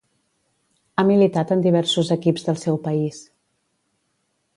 Ha militat en diversos equips del seu país.